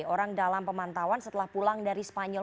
orang dalam pemantauan setelah pulang dari spanyol